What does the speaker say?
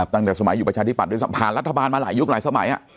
ตั้งแต่สมัยอยู่ประชาธิบัตย์ผ่านรัฐบาลมาหลายยุคหลายสมัย